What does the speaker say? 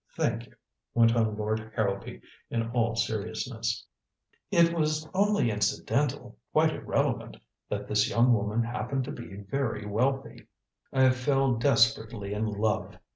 "Thank you," went on Lord Harrowby in all seriousness. "It was only incidental quite irrelevant that this young woman happened to be very wealthy. I fell desperately in love!